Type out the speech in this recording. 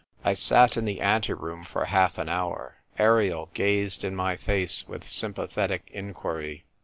I sat in the anteroom for half an hour. Ariel gazed in my face with sympathetic inquiry.